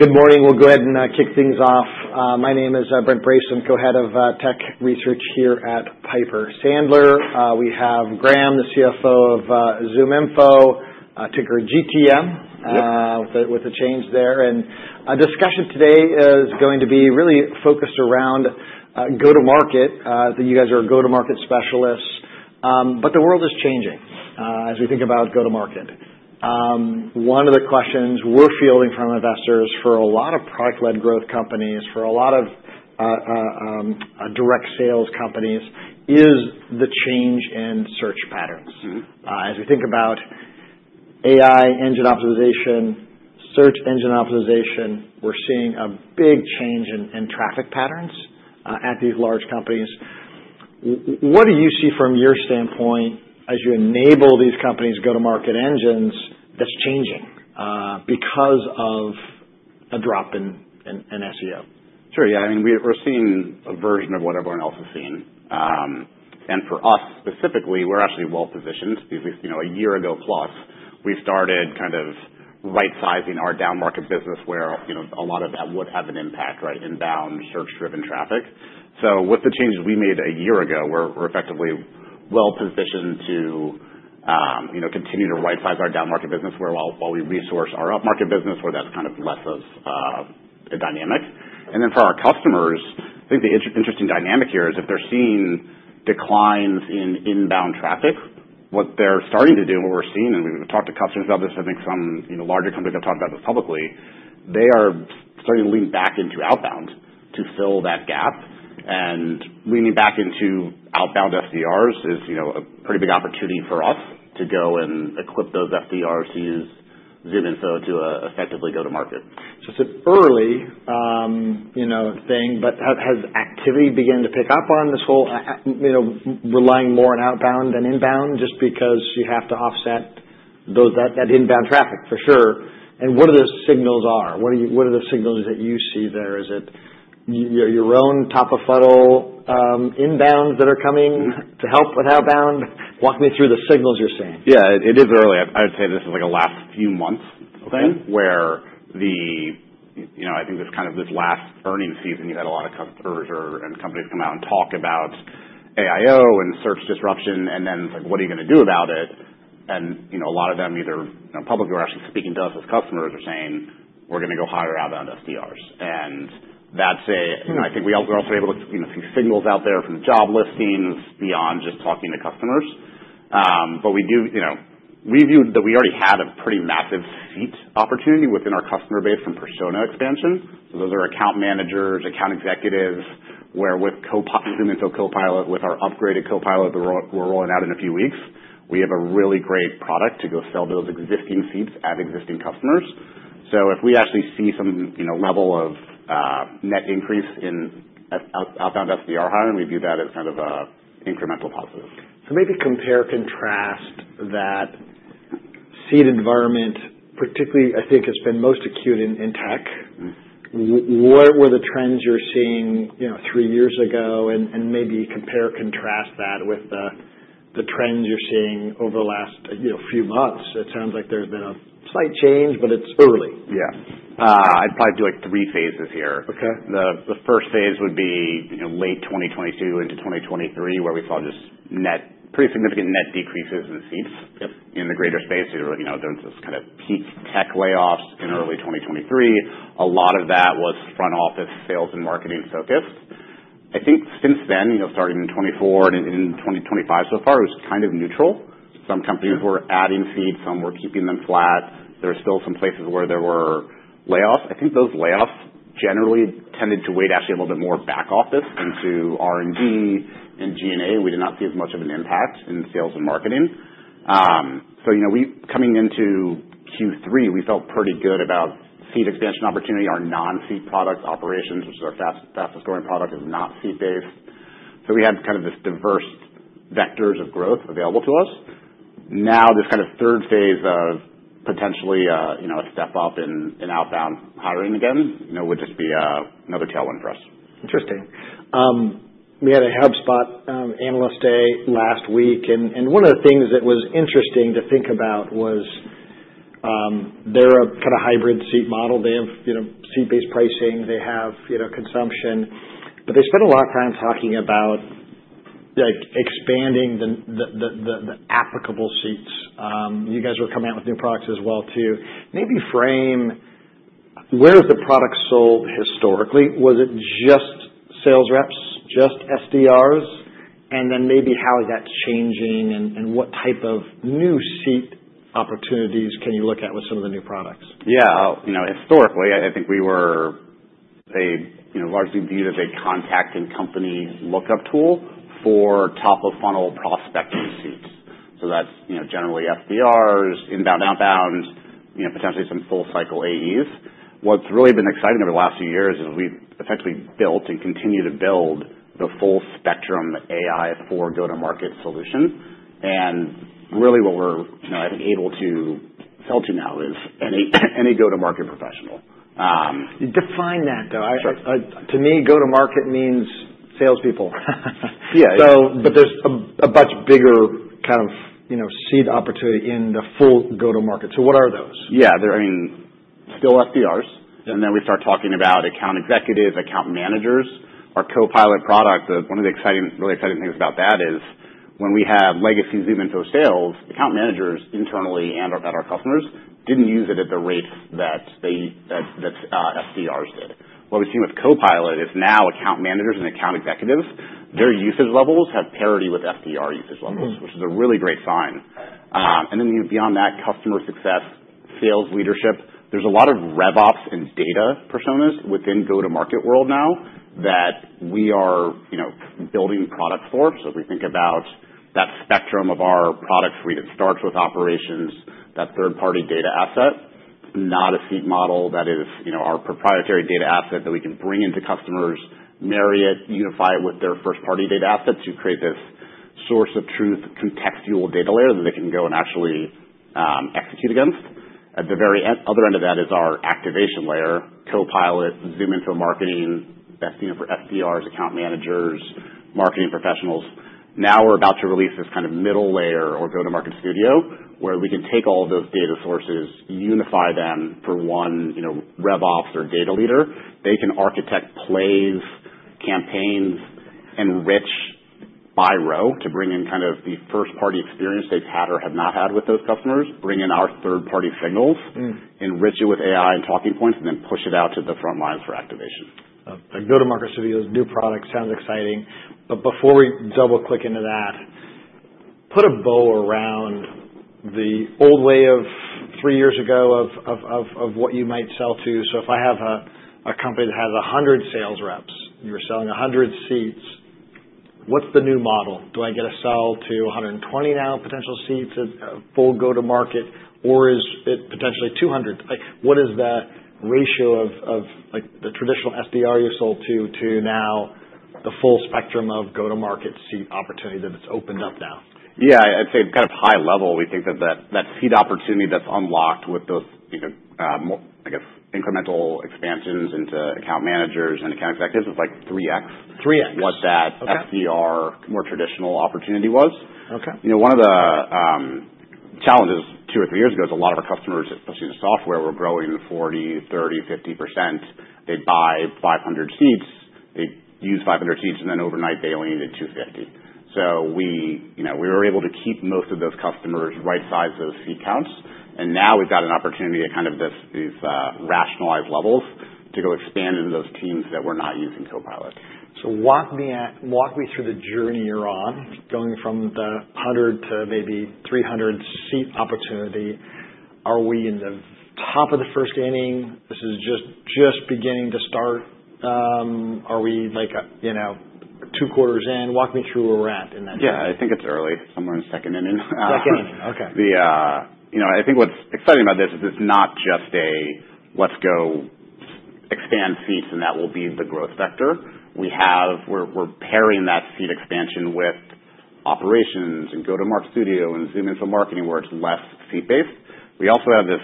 Good morning. We'll go ahead and kick things off. My name is Brent Bracelin, Co-Head of Technology Research here at Piper Sandler. We have Graham, the CFO of ZoomInfo, ticker ZI, with a change there, and our discussion today is going to be really focused around go-to-market, that you guys are go-to-market specialists, but the world is changing as we think about go-to-market. One of the questions we're fielding from investors for a lot of product-led growth companies, for a lot of direct sales companies, is the change in search patterns. As we think about AI engine optimization, search engine optimization, we're seeing a big change in traffic patterns at these large companies. What do you see from your standpoint as you enable these companies' go-to-market engines that's changing because of a drop in SEO? Sure. Yeah. I mean, we're seeing a version of what everyone else is seeing. And for us specifically, we're actually well-positioned. At least a year-plus ago, we started kind of right-sizing our down-market business where a lot of that would have an impact, inbound search-driven traffic. So with the changes we made a year ago, we're effectively well-positioned to continue to right-size our down-market business while we resource our up-market business, where that's kind of less of a dynamic. And then for our customers, I think the interesting dynamic here is if they're seeing declines in inbound traffic, what they're starting to do, what we're seeing, and we've talked to customers about this. I think some larger companies have talked about this publicly. They are starting to lean back into outbound to fill that gap. Leaning back into outbound SDRs is a pretty big opportunity for us to go and equip those SDRs to use ZoomInfo to effectively go to market. Just an early thing, but has activity begun to pick up on this whole relying more on outbound than inbound just because you have to offset that inbound traffic, for sure? And what are those signals? What are the signals that you see there? Is it your own top-of-funnel inbounds that are coming to help with outbound? Walk me through the signals you're seeing. Yeah. It is early. I would say this is like a last few months thing where I think this kind of last earnings season, you had a lot of customers and companies come out and talk about AIO and search disruption. And then it's like, what are you going to do about it? And a lot of them either publicly or actually speaking to us as customers are saying, we're going to hire outbound SDRs. And that's, I think we're also able to see signals out there from job listings beyond just talking to customers. But we do view that we already have a pretty massive seat opportunity within our customer base from persona expansion. So those are account managers, account executives, where with ZoomInfo Copilot, with our upgraded Copilot that we're rolling out in a few weeks, we have a really great product to go sell to those existing seats at existing customers. So if we actually see some level of net increase in outbound SDR hiring, we view that as kind of an incremental positive. maybe compare and contrast that seat environment, particularly I think has been most acute in tech. What were the trends you're seeing three years ago? And maybe compare and contrast that with the trends you're seeing over the last few months. It sounds like there's been a slight change, but it's early. Yeah. I'd probably do like three phases here. The first phase would be late 2022 into 2023, where we saw just net, pretty significant net decreases in seats in the greater space. There were just kind of peak tech layoffs in early 2023. A lot of that was front office sales and marketing focused. I think since then, starting in 2024 and in 2025 so far, it was kind of neutral. Some companies were adding seats. Some were keeping them flat. There were still some places where there were layoffs. I think those layoffs generally tended to weigh actually a little bit more back office into R&D and G&A. We did not see as much of an impact in sales and marketing. So coming into Q3, we felt pretty good about seat expansion opportunity. Our non-seat product, Operations, which is our fastest-growing product, is not seat-based. So we had kind of this diverse vectors of growth available to us. Now this kind of third phase of potentially a step-up in outbound hiring again would just be another tailwind for us. Interesting. We had a HubSpot Analyst Day last week, and one of the things that was interesting to think about was they're a kind of hybrid seat model. They have seat-based pricing. They have consumption, but they spent a lot of time talking about expanding the applicable seats. You guys were coming out with new products as well too. Maybe frame where has the product sold historically? Was it just sales reps, just SDRs? And then maybe how is that changing and what type of new seat opportunities can you look at with some of the new products? Yeah. Historically, I think we were largely viewed as a contact and company lookup tool for top-of-funnel prospecting seats. So that's generally SDRs, inbound, outbound, potentially some full-cycle AEs. What's really been exciting over the last few years is we've effectively built and continue to build the full-spectrum AI for go-to-market solution. And really what we're, I think, able to sell to now is any go-to-market professional. Define that though. To me, go-to-market means salespeople. But there's a much bigger kind of sea opportunity in the full go-to-market. So what are those? Yeah. I mean, still SDRs. And then we start talking about account executives, account managers. Our Copilot product, one of the exciting, really exciting things about that is when we had legacy ZoomInfo Sales, account managers internally and at our customers didn't use it at the rates that SDRs did. What we've seen with Copilot is now account managers and account executives, their usage levels have parity with SDR usage levels, which is a really great sign. And then beyond that, customer success, sales leadership, there's a lot of RevOps and data personas within go-to-market world now that we are building products for. So if we think about that spectrum of our product suite, it starts with Operations, that third-party data asset, not a seat model that is our proprietary data asset that we can bring into customers, marry it, unify it with their first-party data asset to create this source of truth contextual data layer that they can go and actually execute against. At the very other end of that is our activation layer, Copilot, ZoomInfo Marketing, best for SDRs, account managers, marketing professionals. Now we're about to release this kind of middle layer or Go-to-Market Studio where we can take all of those data sources, unify them for one RevOps or data leader. They can architect plays, campaigns, enrich by row to bring in kind of the first-party experience they've had or have not had with those customers, bring in our third-party signals, enrich it with AI and talking points, and then push it out to the front lines for activation. A Go-to-Market Studio is a new product. Sounds exciting. But before we double-click into that, put a bow around the old way of three years ago of what you might sell to. So if I have a company that has 100 sales reps and you're selling 100 seats, what's the new model? Do I get a sell to 120 now, potential seats, a full go-to-market, or is it potentially 200? What is the ratio of the traditional SDR you sold to now the full spectrum of go-to-market seat opportunity that it's opened up now? Yeah. I'd say kind of high level, we think that that seat opportunity that's unlocked with those, I guess, incremental expansions into account managers and account executives was like 3X. 3X. What that SDR, more traditional opportunity was. One of the challenges two or three years ago is a lot of our customers, especially in the software, were growing 40%, 30%, 50%. They'd buy 500 seats. They'd use 500 seats, and then overnight they only needed 250. So we were able to keep most of those customers right-size those seat counts. And now we've got an opportunity at kind of these rationalized levels to go expand into those teams that were not using Copilot. So walk me through the journey you're on going from the 100 to maybe 300 seat opportunity. Are we in the top of the first inning? This is just beginning to start. Are we two quarters in? Walk me through where we're at in that journey. Yeah. I think it's early. Somewhere in second inning. Second inning. Okay. I think what's exciting about this is it's not just a, "Let's go expand seats and that will be the growth vector." We're pairing that seat expansion with Operations and Go-to-Market Studio and ZoomInfo Marketing where it's less seat-based. We also have this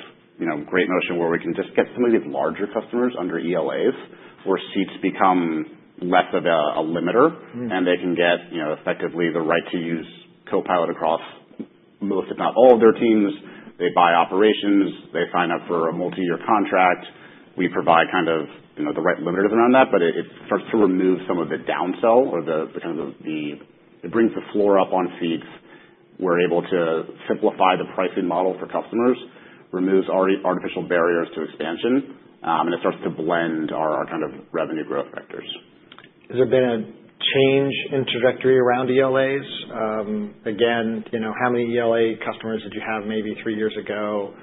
great notion where we can just get some of these larger customers under ELAs where seats become less of a limiter, and they can get effectively the right to use Copilot across most, if not all, of their teams. They buy Operations. They sign up for a multi-year contract. We provide kind of the right limiters around that, but it starts to remove some of the downsell or the kind of it brings the floor up on seats. We're able to simplify the pricing model for customers, removes artificial barriers to expansion, and it starts to blend our kind of revenue growth vectors. Has there been a change in trajectory around ELAs? Again, how many ELA customers did you have maybe three years ago?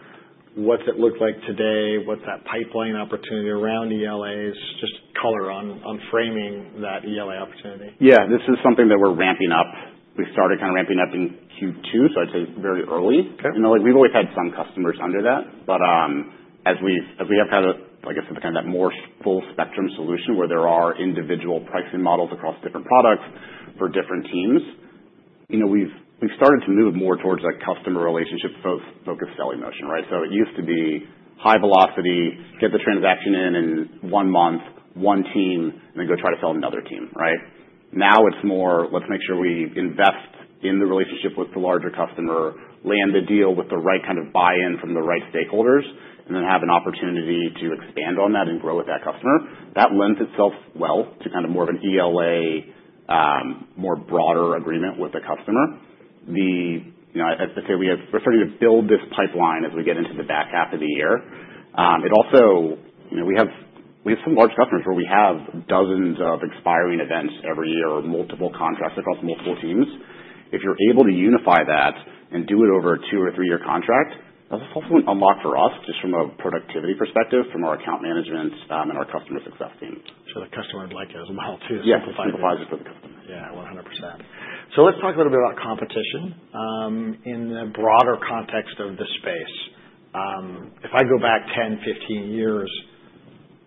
What's it look like today? What's that pipeline opportunity around ELAs? Just color on framing that ELA opportunity. Yeah. This is something that we're ramping up. We started kind of ramping up in Q2, so I'd say very early. We've always had some customers under that. But as we have kind of, like I said, kind of that more full-spectrum solution where there are individual pricing models across different products for different teams, we've started to move more towards a customer relationship-focused selling notion. So it used to be high velocity, get the transaction in in one month, one team, and then go try to sell another team. Now it's more, "Let's make sure we invest in the relationship with the larger customer, land the deal with the right kind of buy-in from the right stakeholders, and then have an opportunity to expand on that and grow with that customer." That lends itself well to kind of more of an ELA, more broader agreement with the customer. I'd say we are starting to build this pipeline as we get into the back half of the year. We have some large customers where we have dozens of expiring events every year or multiple contracts across multiple teams. If you're able to unify that and do it over a two or three-year contract, that's also an unlock for us just from a productivity perspective from our account management and our customer success team. The customer like it as well too. Yeah. It simplifies it for the customer. Yeah. 100%. So let's talk a little bit about competition in the broader context of the space. If I go back 10, 15 years,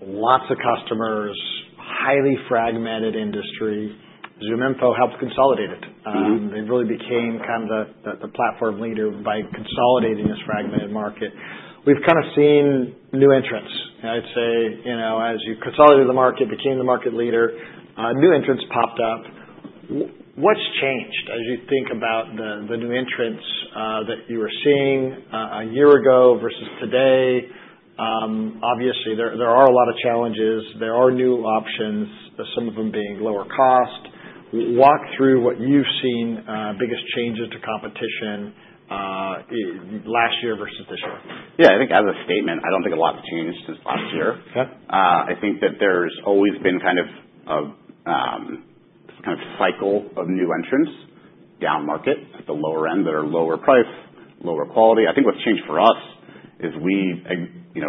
lots of customers, highly fragmented industry. ZoomInfo helped consolidate it. Then really became kind of the platform leader by consolidating this fragmented market. We've kind of seen new entrants. I'd say as you consolidated the market, became the market leader, new entrants popped up. What's changed as you think about the new entrants that you were seeing a year ago versus today? Obviously, there are a lot of challenges. There are new options, some of them being lower cost. Walk through what you've seen, biggest changes to competition last year versus this year. Yeah. I think as a statement, I don't think a lot's changed since last year. I think that there's always been kind of a cycle of new entrants down market at the lower end that are lower price, lower quality. I think what's changed for us is we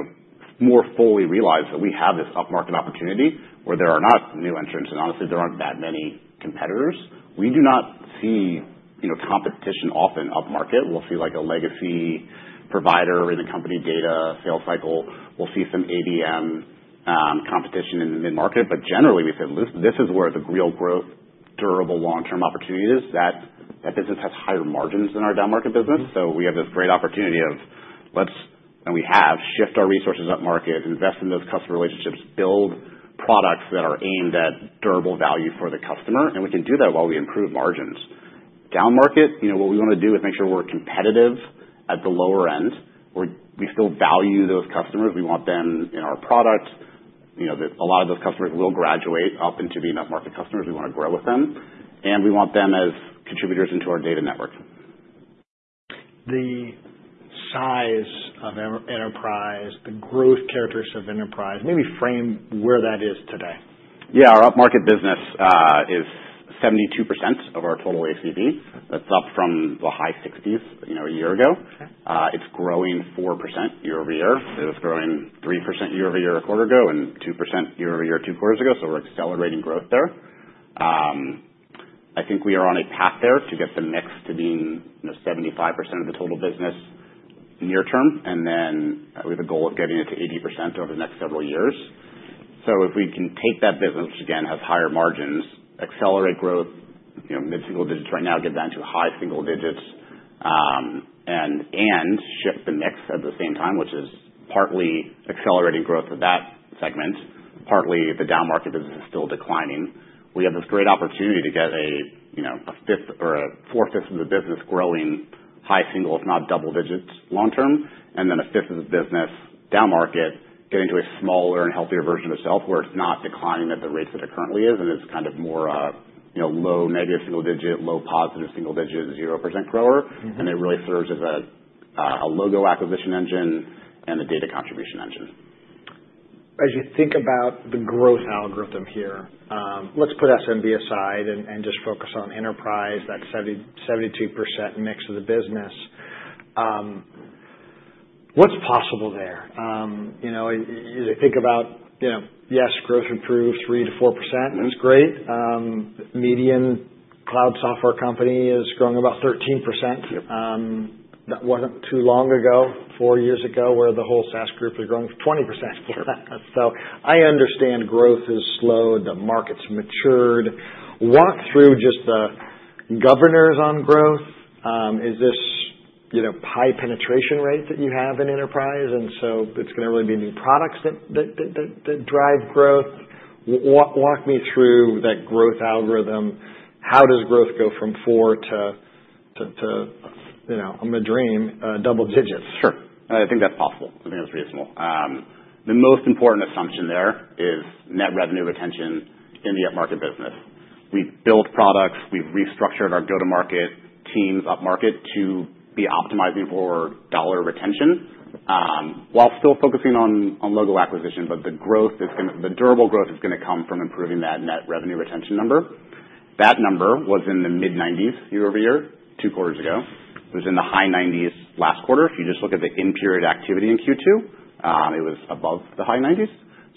more fully realize that we have this upmarket opportunity where there are not new entrants. And honestly, there aren't that many competitors. We do not see competition often upmarket. We'll see like a legacy provider in the company data sales cycle. We'll see some ABM competition in the mid-market. But generally, we said, this is where the real growth, durable, long-term opportunity is. That business has higher margins than our downmarket business. We have this great opportunity to shift our resources upmarket, invest in those customer relationships, build products that are aimed at durable value for the customer. We can do that while we improve margins. Downmarket, what we want to do is make sure we're competitive at the lower end. We still value those customers. We want them in our product. A lot of those customers will graduate up into being upmarket customers. We want to grow with them. We want them as contributors into our data network. The size of enterprise, the growth characteristics of enterprise, maybe frame where that is today. Yeah. Our upmarket business is 72% of our total ACV. That's up from the high 60s% a year ago. It's growing 4% year-over-year. It was growing 3% year-over-year a quarter ago and 2% year-over-year two quarters ago. So we're accelerating growth there. I think we are on a path there to get the mix to being 75% of the total business near term, and then we have a goal of getting it to 80% over the next several years. So if we can take that business, which again has higher margins, accelerate growth, mid-single digits right now, get down to high single digits, and shift the mix at the same time, which is partly accelerating growth of that segment, partly the downmarket business is still declining. We have this great opportunity to get a four-fifths of the business growing high single, if not double digits long term, and then a fifth of the business downmarket, get into a smaller and healthier version of itself where it's not declining at the rates that it currently is and is kind of more low negative single digit, low positive single digit, 0% grower, and it really serves as a logo acquisition engine and a data contribution engine. As you think about the growth algorithm here, let's put SMB aside and just focus on enterprise, that 72% mix of the business. What's possible there? As you think about, yes, growth improved 3%-4%. That's great. Median cloud software company is growing about 13%. That wasn't too long ago, four years ago, where the whole SaaS group was growing 20%. So I understand growth has slowed. The market's matured. Walk through just the governors on growth. Is this high penetration rate that you have in enterprise? And so it's going to really be new products that drive growth. Walk me through that growth algorithm. How does growth go from 4% to, I'm going to dream, double digits? Sure. I think that's possible. I think that's reasonable. The most important assumption there is net revenue retention in the upmarket business. We've built products. We've restructured our go-to-market teams upmarket to be optimizing for dollar retention while still focusing on logo acquisition. But the growth is going to, the durable growth is going to come from improving that net revenue retention number. That number was in the mid-90s year-over-year, two quarters ago. It was in the high 90s last quarter. If you just look at the in-period activity in Q2, it was above the high 90s.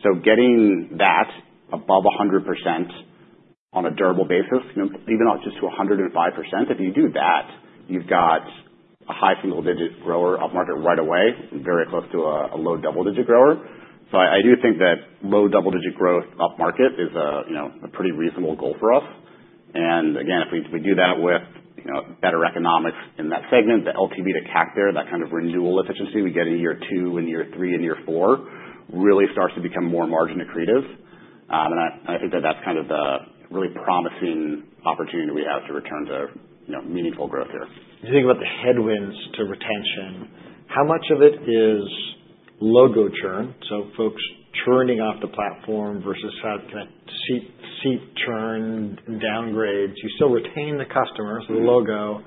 So getting that above 100% on a durable basis, even up just to 105%, if you do that, you've got a high single-digit grower upmarket right away, very close to a low double-digit grower. So I do think that low double-digit growth upmarket is a pretty reasonable goal for us. And again, if we do that with better economics in that segment, the LTV to CAC there, that kind of renewal efficiency we get in year two and year three and year four really starts to become more margin accretive. And I think that that's kind of the really promising opportunity we have to return to meaningful growth here. As you think about the headwinds to retention, how much of it is logo churn? So folks churning off the platform versus seat churn, downgrades. You still retain the customers, the logo,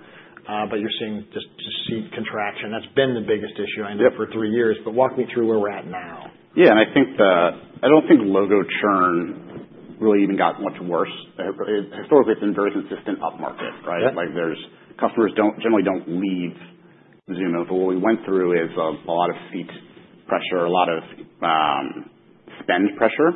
but you're seeing just seat contraction. That's been the biggest issue I know for three years. But walk me through where we're at now. Yeah. And I think the, I don't think logo churn really even got much worse. Historically, it's been very consistent upmarket. There's customers generally don't leave ZoomInfo. What we went through is a lot of seat pressure, a lot of spend pressure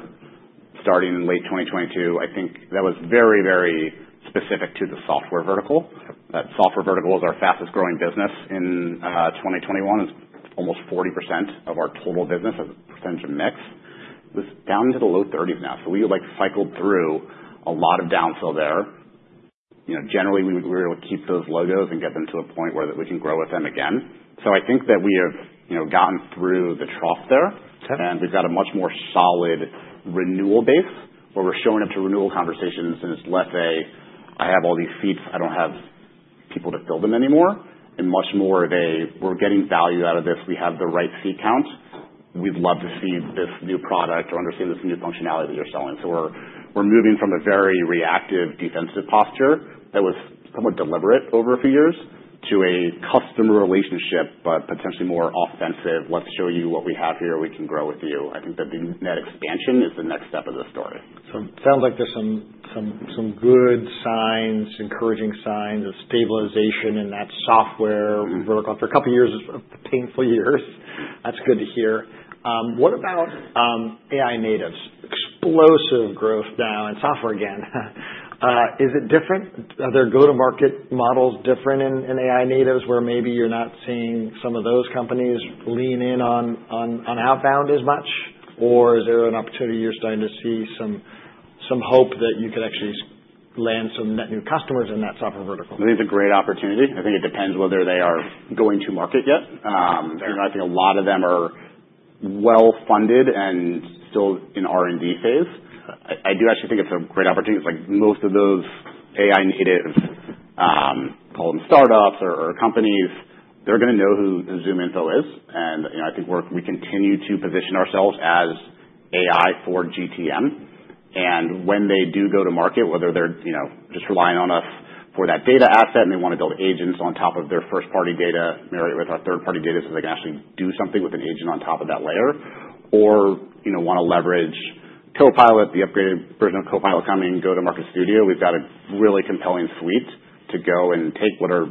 starting in late 2022. I think that was very, very specific to the software vertical. That software vertical was our fastest growing business in 2021. It's almost 40% of our total business as a percentage of mix. It was down to the low 30s now. So we cycled through a lot of downfill there. Generally, we were able to keep those logos and get them to a point where we can grow with them again. So I think that we have gotten through the trough there, and we've got a much more solid renewal base where we're showing up to renewal conversations and it's less a, "I have all these seats. I don't have people to fill them anymore." And much more of a, "we're getting value out of this. We have the right seat count. We'd love to see this new product or understand this new functionality that you're selling." So we're moving from a very reactive, defensive posture that was somewhat deliberate over a few years to a customer relationship, but potentially more offensive. "Let's show you what we have here. We can grow with you." I think that the net expansion is the next step of the story. So it sounds like there's some good signs, encouraging signs of stabilization in that software vertical for a couple of years, painful years. That's good to hear. What about AI natives? Explosive growth now in software again. Is it different? Are their go-to-market models different in AI natives where maybe you're not seeing some of those companies lean in on outbound as much? Or is there an opportunity you're starting to see some hope that you could actually land some net new customers in that software vertical? I think it's a great opportunity. I think it depends whether they are going to market yet. I think a lot of them are well-funded and still in R&D phase. I do actually think it's a great opportunity. Most of those AI natives, call them startups or companies, they're going to know who ZoomInfo is, and I think we continue to position ourselves as AI for GTM. And when they do go to market, whether they're just relying on us for that data asset and they want to build agents on top of their first-party data, marry it with our third-party data so they can actually do something with an agent on top of that layer, or want to leverage Copilot, the upgraded version of Copilot coming in Go-to-Market Studio, we've got a really compelling suite to go and take what are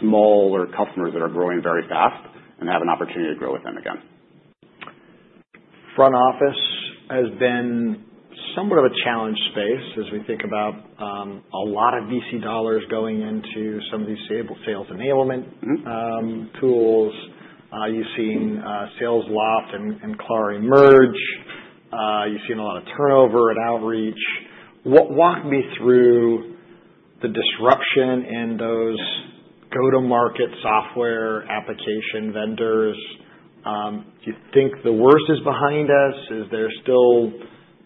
smaller customers that are growing very fast and have an opportunity to grow with them again. Front office has been somewhat of a challenge space as we think about a lot of VC dollars going into some of these sales enablement tools. You've seen Salesloft and Clari emerge. You've seen a lot of turnover and Outreach. Walk me through the disruption in those go-to-market software application vendors. Do you think the worst is behind us? Is there still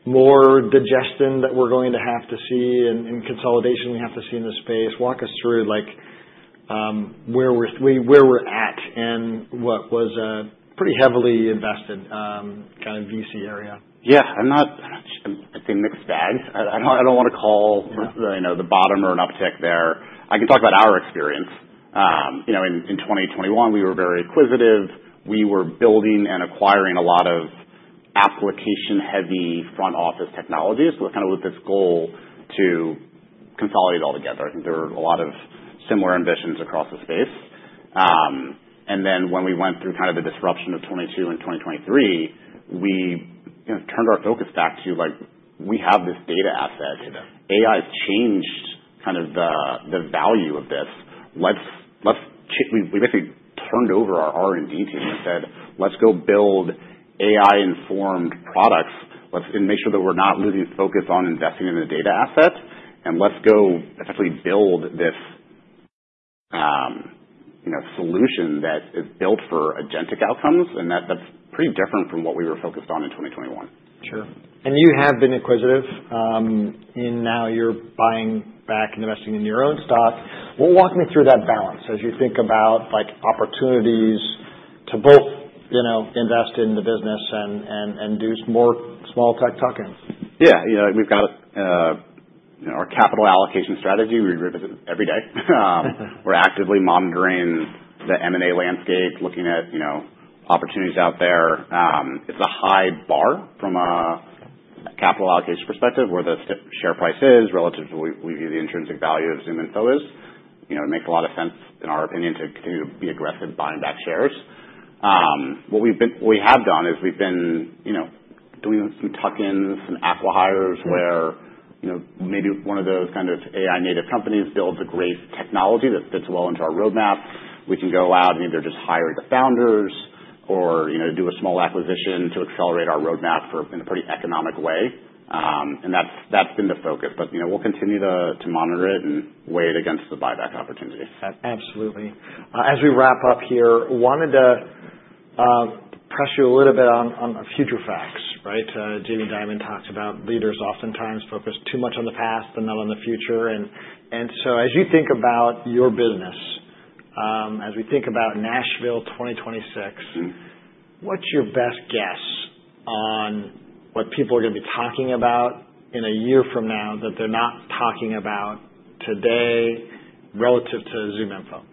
more digestion that we're going to have to see and consolidation we have to see in this space? Walk us through where we're at and what was a pretty heavily invested kind of VC area. Yeah. I'm not. I'd say mixed bags. I don't want to call the bottom or an uptick there. I can talk about our experience. In 2021, we were very acquisitive. We were building and acquiring a lot of application-heavy front office technologies with kind of this goal to consolidate it all together. I think there were a lot of similar ambitions across the space. And then when we went through kind of the disruption of 2022 and 2023, we turned our focus back to we have this data asset. AI has changed kind of the value of this. We basically turned over our R&D team and said, "Let's go build AI-informed products and make sure that we're not losing focus on investing in the data asset. And let's go essentially build this solution that is built for agentic outcomes." That's pretty different from what we were focused on in 2021. Sure. And you have been acquisitive. And now you're buying back and investing in your own stock. Well, walk me through that balance as you think about opportunities to both invest in the business and do some more small tech tuck-ins. Yeah. We've got our capital allocation strategy. We revisit it every day. We're actively monitoring the M&A landscape, looking at opportunities out there. It's a high bar from a capital allocation perspective where the share price is relative to what we view the intrinsic value of ZoomInfo is. It makes a lot of sense, in our opinion, to continue to be aggressive buying back shares. What we have done is we've been doing some tuck-ins, some acqui-hires where maybe one of those kind of AI-native companies builds a great technology that fits well into our roadmap. We can go out and either just hire the founders or do a small acquisition to accelerate our roadmap in a pretty economic way. And that's been the focus. But we'll continue to monitor it and weigh it against the buyback opportunity. Absolutely. As we wrap up here, wanted to press you a little bit on future facts. Jamie Dimon talks about leaders oftentimes focus too much on the past than not on the future. And so as you think about your business, as we think about Nashville 2026, what's your best guess on what people are going to be talking about in a year from now that they're not talking about today relative to ZoomInfo?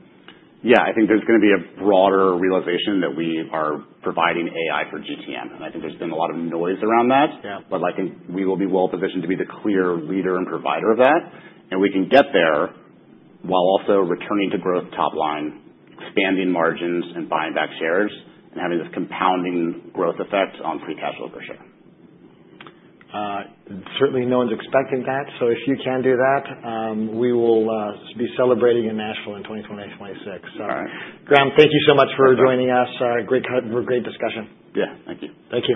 Yeah, I think there's going to be a broader realization that we are providing AI for GTM, and I think there's been a lot of noise around that, but I think we will be well-positioned to be the clear leader and provider of that, and we can get there while also returning to growth top line, expanding margins, buying back shares, and having this compounding growth effect on free cash flow for sure. Certainly, no one's expecting that, so if you can do that, we will be celebrating in Nashville in 2026. Graham, thank you so much for joining us. Great discussion. Yeah. Thank you. Thank you.